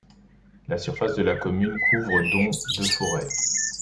La surface de la commune couvre dont de forêt.